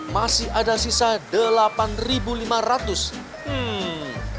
masih ada sisa rp delapan lima ratus